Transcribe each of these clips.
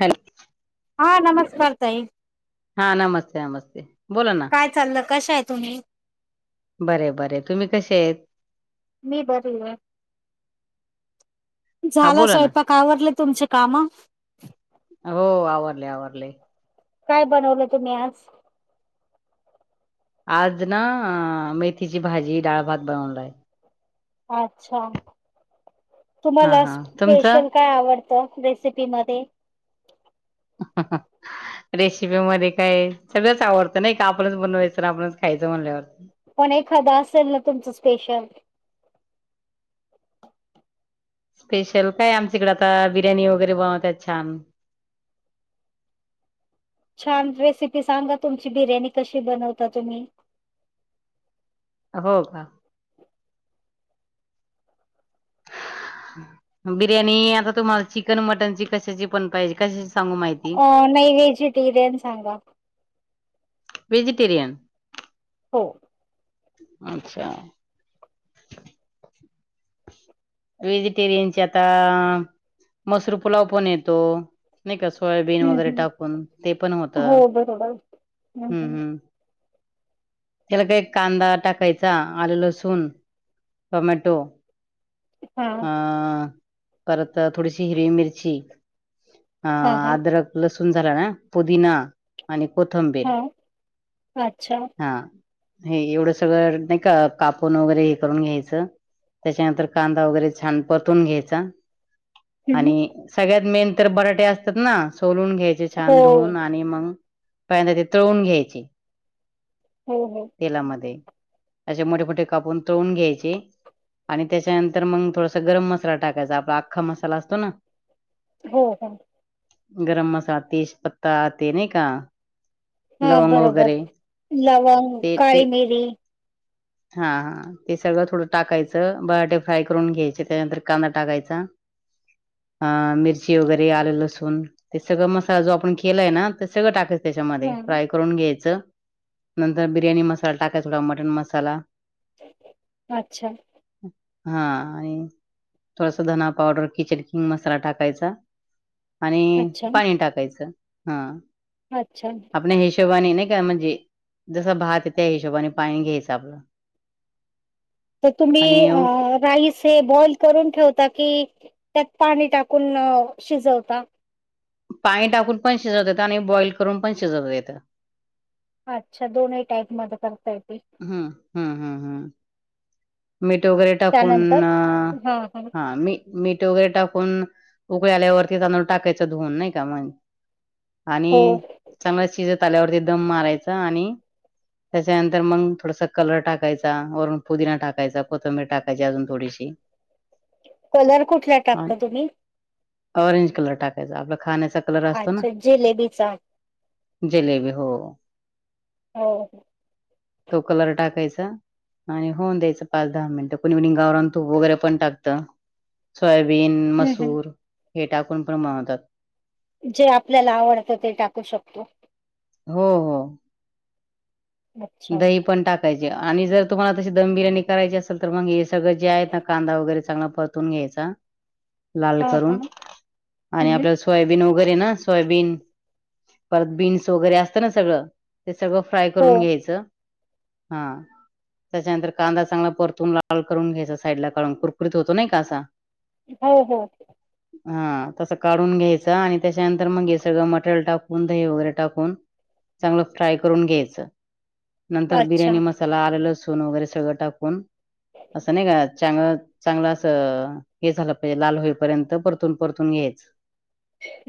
Hello? हा नमस्कार ताई! हा नमस्ते नमस्ते, बोला ना काय चाललं कशा आहे तुम्ही, बर बर तुम्ही कसे आहेत? मी बरी आहे, हा झाला बोला ना स्वयंपाक, आवरलं तुमची काम, हो आवरले, आवरले, काय बनवलं तुम्ही आज? आज ना मेथीची, भाजी डाळ, भात बनवलाय, अच्छा, हा हा तुमचं तुम्हालापेशल काय आवडतं रेसिपी मध्ये, [unintelligible] रेसिपी मध्ये काय सगळ्याच आवडतं नाही, का आपणच बनवायचं ना आपणच खायचं म्हणल्यावरतं. पण एखादां असेल ना तुमचं स्पेशल, स्पेशल काय आमच्या इकडे, आता बिर्याणी वगैरे बनवतात छान. छान रेसिपी सांगा तुमची, बिर्याणी कशी बनवता तुम्ही, हो का, बिर्याणी आता तुम्हाला चिकन मटनची कशाची पण पाहिजे कशाची सांगू माहिती अ नाही व्हेजिटेरियन सांगा वेजिटेरियन हो अच्छा व्हेजिटेरियनचे आता मसरू पुलाव पण येतो नाही का सोयाबीन हम्म वगैरे हम्म. टाकून ते पण होतं हो बरोबर हम्म हम्म त्याला काही कांदा टाकायचा आलं लसूण टमॅटो हा अ परत थोडीशी हिरवी मिरची अ हा हा आद्रक लसूण झाला ना पुदीिना आणि कोथंबीर हा अच्छा हा हे एवढं सगळं नाही का कापून वगैरे हे करून घ्यायचं त्याच्यानंतर क वगैरे छान परतून घ्यायचा हम्म आणि सगळ्यात मेन तर बराटे असतात ना सोलून घ्यायचे हो छान धुून आणि मग पहि ते तळून घ्यायचे हो हो तेलामध्ये त्याचे मोठे मोठे कापून तळून घ्यायचे आणि त्याच्यानंतर तर मग थोडास गरम मसाला टाकायचा आपला अख्खा मसाला असतो ना हो हो गरम मसा तेजपत्ता ते नाही का हा लवंग बरोबर वगैरे लवंग ते ते काळी मिेरी हा हा ते सगळं थोडं टाकायचं बराटे फ्राय करून घ्यायचे त्याच्यानंतर कांदा टाकायचा अ मिरची वगैरे आले लसूण ते सगळं मसाला जो आपण केलाय ना ते सगळं टाक त्याच्यामध्ये हां फ्राय करून घ्यायचं नंतर बिर्याणी मसाला टाकायचा मटन मसाला अच्छा हा आणि थोडासा धना पावडर किचड किंग मसाला टाकायचा आणि अच्छा, पाणी टाकायचं हा अच्छा आपल्या हिशोबाने नाही का म्हणजे जसं भात आहे त्या हिशोबाने पाणी घ्यायचं आपलं तर तुम्ही आणि राईस ते बॉईल करून ठेवता की त्यात पाणी टाकून शिजवता पाणी टाकून पण शिजवत देत आणि बॉईल करून पण शिजवत येत अच्छा दोनही टाईप मध्ये करता येत हम्म हम् हम् हम् मी ते वगैरे टाकून त्यानंतर? हां, हां. हा मी मीठ वगैरे टाकून उकळी आल्यावरती त्यां टाकायचं धुवून नाही का मग हो. आणि चांगला शिजत आल्यावरती दम मारायचा आणि त्याच्यानंतर मग थोडासा कलर टाकायचा वरून पुदिना टाकाय टाकायचा कोथंबर टाकायची अजून थोडीशी कलर कुठला टाकता तुम्ही ऑरेंज कलर टाकायचा आपला खाण्याचा कलर असतो ना अच्छा जिलेबीचा. जलेबी हो हो तो कलर टाकायचा आणि होऊन द्यायचं पाच दहा मिनिटं कोणी इनिंग गावरान तूप वगैरे पण टाकतं सोयाबीन हं, हं. मसूर हे टाकून पण महतात जे आपल्याला आवडतं ते टाकू शकतो हो हो अच्छा. दही पण टाक य आणि जर तुम्हाला तशी दम बिर्याणी करायची असल तर मग हे सगळं जे आहे ना कांदा वगैरे चांगला परतून घ्यायचा [inaudible] लाल करून हां. आणि हं, हं. आपल्या सोयाबीन वगैरे ना सोयाबीन परत बीन्स वगैरे असतं ना सगळं ते सगळं फ्राय हो, करून घ्यायचं हा त्याच्यानंतर कांदा चांगला परतून लाल करून घ्यायचा साईड ला काढून कुरकुत होतो नाही का असा हो हो हा तसं काढून घ्यायचं आणि त्याच्यानंतर मग हे सगळं मटेरल टाकून दही वगैरे टाकून चांगलं फ्राय करून घ्यायचं नंतर अच्छा. बिर्याणी मसाला आलेल ल सून वगैरे सगळं टाकून असं नाही का चांग चांगलं असं हे झालं पाहिजे लाल होईपर्यंत परतून परतून घयच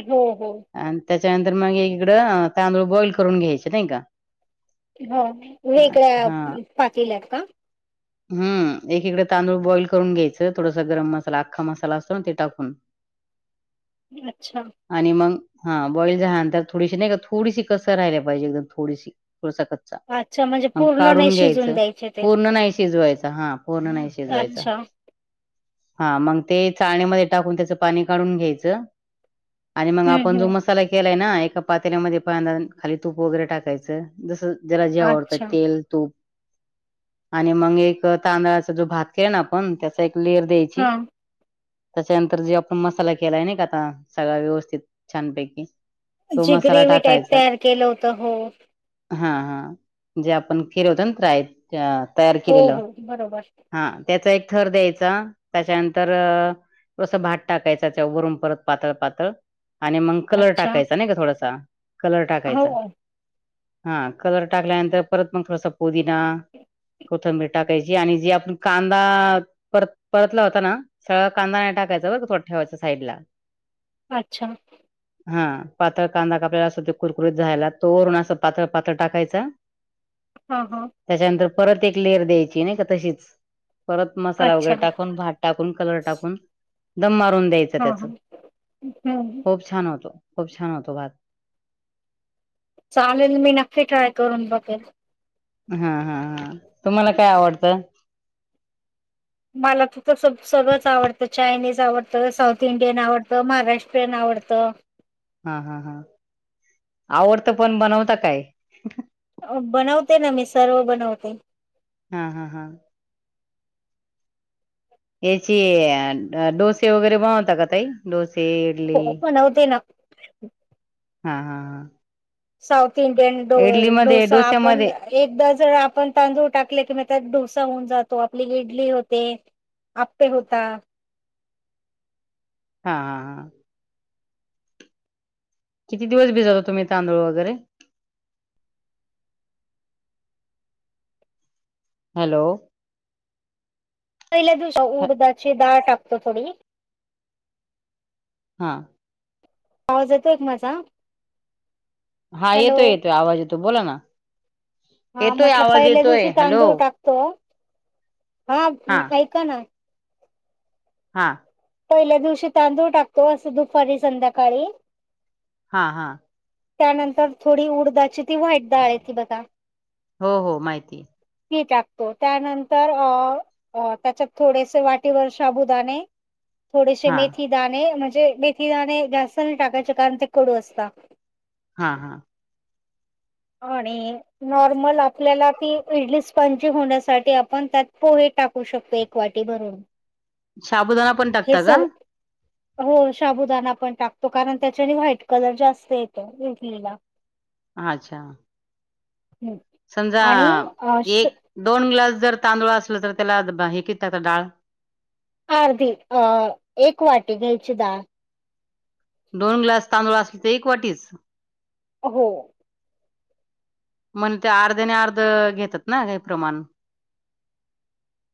हो हो आणि त्याच्यानंतर मग इकडं तांदूळ बॉईल करून घ्यायचे नाही का हा ह हा हम् एकीकडे तांदूळ बॉईल करून घ्यायचं थोडासा गरम मसाला अख्खा मसाला असतो ना ते टाकून अच्छा आणि मग हा बॉईल झाल्यानंतर थोडीशी नाही का थोडीशी कसर राहियला पाहिजे एकदम थोडीशी पुचा कच्चा अच्छा म्हणजे मग पूर्ण नाही काढून शिजून घ्यायचं द्यायचे ते. पूर्ण नाही शिजवायच हा पूर्ण नाही शिजवायचा अच्छा. हा मग ते चाळणीमध्ये टाकून त्याच पाणी काढून घ्यायचं आणि मग हं, आपण जो हं. मस्त ला केलाय ना एका पात्यामध्ये प खाली तूप वगैरे टाकायचं जसं जरा जे आवडतं अच्छा. तेल तूप आणि मग एक तांदळाचा जो भात केला ना आपण त्याचा एक लेर द्यायची हां. त्याच्यानंतर जे आपण मसाला केलाय ना का आता सगळा व्यवस्थित छानपैकी तो जी मसाला ग्रेव टाईप टाकायचा तयार केलं होतं हो हा हा जे आपण खिरवतंत्र आहेत तयार हो, केलेलं हो. बरोबर. हा त्याचा एक थर द्यायचा त्याच्यानंतर कसं भात टाकायचा त्यावररून परत पातळ पातळ आणि मग कलर अच्छा. टाकायचा नाही का थोडासा कलर हो. टाकायचा हा कलर टाकल्यानंतर परत मग थोडासा पोदी ना कोथंबीर टाकायची आणि जी आपण कांदा परत परतला होता ना सगळं कांदा नाही टाकायचां बघ तो ठेवायच साईडला अच्छा हा पातळ कांदा आपला अस ते कुरकुरीत जायला तोवरण अस पातळ प टाकायचा हा हा त्याच्यानंतर परत एक लेअर द्यायची नाही का तशीच परत मसाला अच्छा. वगैरे टाकून भट टाकून कलर टाकून दम मारून द्यायच हां, त्याच हां. हं. होच छान होतो खूप छान होतो भात चालेल मी नक्की ट्राय करून बघेल हा हा हा तुम्हाला काय आवडतं मला तु तर सगळंच आवडतं चायनीज आवडतं साऊथ इंडियन आवडतं महाराष्ट्रीयन आवडतं हा हा हा आवडतं पण बनवता काय बनवते ना मी सर्व बनवते हा हा हा याचे डोसे वगैरे बनवताात का तई डोसे इडली नव दे ना हा हा हा साऊथ इंडियन इडली मध्ये डोसा आपण डोस्यामध्ये एकदा जर आपण तांदूळ टाकले कि त्यात डोसा होऊन जातो आपली इडली होते आपे होता हा हां हां किती दिवस भजातो तुम्हीांदळ वगैरे हॅलो पहिल्या दिवस ह- उडदाची डाळ टाकतो थोडी हा आवाज येतोय एक माझा हा हॅलो येतोय येतोय आवाज येतो बोला ना हा येतोय म्हटलं आवाज पहिल्या येतोय दिवशी हॅलो तांदूळ टाकतो हा ऐका ना हा पहिल्या दिवशी तांदूळ टाकतो असं दुपारी संध्याकाळी हा हा त्यानंतर थोडी उडदाची ती वा्हाईट डाळ आहे ती बघा हो हो माहिती मी टाकतो त्यानंतर अ अ त्याच्यात थोडेसे वाटीवर शाबुदाणे थोडेसे हा मेथी दाणे म्हणजे मेथी दाणे जास्त नाही टाकायचे कारण ते कडू असत हा हा होणे नॉर्मल आपल्याला ती इडली स्पंजी होण्यासाठी आपण त्यात पोहे टाकू शकतो क वावाटी भरून साबुदान हे सर हो शाबुदाना पण टाकतो कारण त्याच्याने व्हाईट कलर जास्त येतो इडलीला [inaudible] अच्छा हम् समजा एक दोन ग्लास जर तांदूळ असल तर त्याला हे क आता डाळ अर्धी अ एक वाटी घ्यायची डाळ दोन ग्लास तांदूळ असल तर एक वाटीच हो हो म्हण ते अर्धे आणि अर्ध घेतात ना काही प्रमाण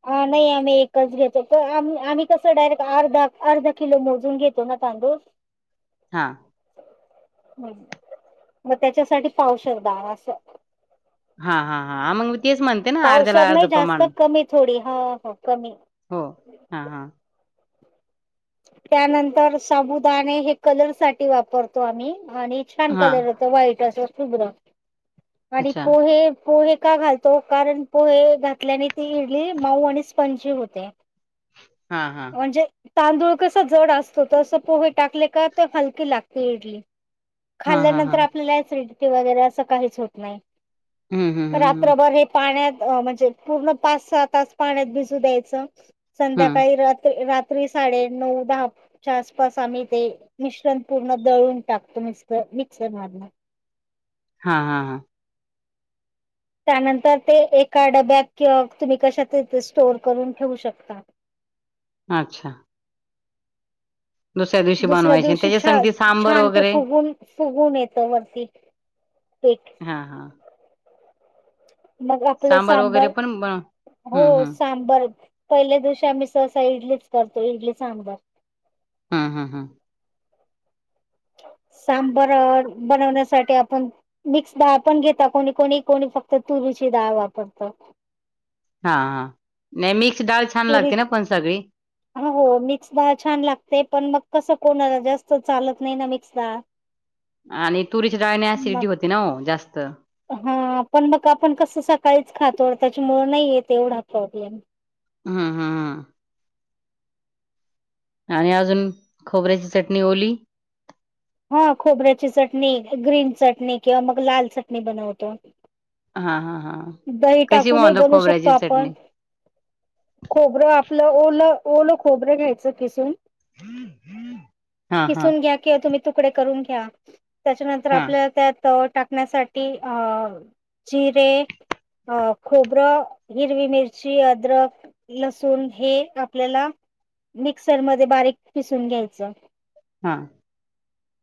ह नाही आम्ही एकच घेतो आम आम्ही कसं डायरेक्ट अर्धा अर्धा किलो मोजून घेतो ना तांदूळ [inaudible] हा ह् मग त्याच्यासाठी पावसर द असं हा हा हा मग म तेच म्हणते ना पावसावर अर्ध्याला अर्ध नाही जास्त प्रमाण कमी थोडी ह कमी हो हा हा त्यानंतर साबुदाणे हे कलर साठी वापरतो आम्ही आणि छान हा कलरो वाईट शु्र आणि अच्छा पोहे पोहे का घाल तो कारण पोहे घातल्याने ती इडली माऊ आणि स्पंजी होते हा हा म्हणजे तांदूळ कस जड असतो तर पोहे टाकले का तर हलकी लागते इडली हा हा हा खाल्ल्यानंतर आपल्यालाच रिडते वगैरे असं काहीच होत नाही हम्म हम्म हम्म हम्म रात्रभर पाण्यात म्हणजे पूर्ण पाच सहा तास पाण्यात भिजू द्यायचं हम्म संध्याकाळी रात्री साडे नऊ दहा आसपास आम्ही ते मिश्रण पूर्ण दळून टाकतो म् मिक्सर मारून हा हा हा त्यानंतर ते एका डब्यात किं तुम्ही कशात स्टोअर करून ठेवू शकता. अच्छा दुसऱ्या दिवशी दुसऱ्या बनवायचे दिवशी त्याच्या छान संगती सांबर छान ते वगैरे फुगून फुगून येत वरती पीठ हा हा मग आपलं सांबार सांबर वगैरे पण बन हो हम्म हम्म सांबर पहिल्या दिवशी आम्ही सहसा इडलीच करतो इडली सांबर हा हा हा सांबर बनवण्यासाठी आपण मिक्स डाळ पण घेता कोणी कोणी कोणी फक्त तुरूची डाळ वापरतात. हा हा न मिक्स ाल तरीच हो मिक्सदाळ छान लागते पण मग कसं कोणाला जास्त चालत नाही ना मिक्सदा आणि तुरीच्या डाळीने मग असिडिटी होती ना जास्त हा पण मग आपण कसं सकाळीच खातो त्याच्यामु नाही येत एवढा प्रॉब्लेम हा हा आणि अजून खोबऱ्याची चटणी ओली हा खोबऱ्याची चटणी ग्रीन चटणी किंवा मग लाल चटणी बनवतो. हा हा हा दही कशी टाकूनही म्हणतो बनवू शकतो खोबऱ्याची चटणी आपण खोबरं आपलं ओला ओलं खोबरं घ्यायचं किसून हा हा किसून घ्या किंवा तुम्ही तुकडे करून घ्या. त्याच्यानंतर हा आपल्याला त्यात टाकण्यासाठी जिरे अ खोबरं, हिरवी मिरची, अद्रक, लसूण हे आपल्याला मिक्सरमध्येध्ये बारीक पिसून घ्यायचं. हा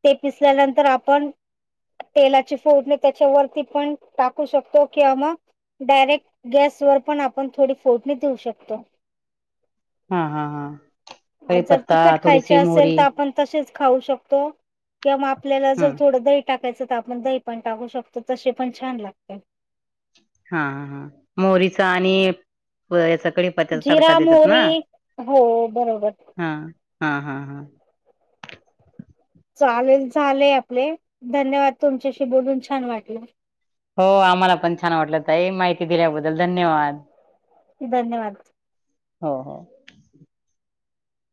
ते पिसल्यानंतर आपण तेलाची फोडणी त्याच्या वरती पण टाकू शकतो किंवा मग डायरेक्ट गॅस वर पण आपण थोडी फोडणी देऊ शकतो. हा हा हा जर कढीपत्ता तिखट खायचे थोडीशी असेल मोहरी तर आपण ख क [inaudible] हम्म टाकायचं तर आपण दही पण टाकू शकतो तसे पण छान लागते. हा ह हां मोरीचा आणि याच्याकडे जिरा मोरी हो बरोबर हा हा हा हा चालेल झालेय आपले धन्यवाद तुमच्याशी बोलून छान वाटले. हो आम्हाला पण छान वाटलं त आहे माहिती दिल्याबद्दल धन्यवाद. धन्यवाद. हो हो